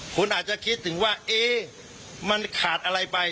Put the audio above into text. คนอาจจะคิดถึงว่ามันขาดอะไรไป